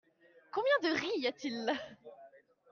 Combien de riz y a-t-il là ?